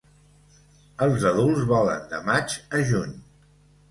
Els adults volen de maig a juny.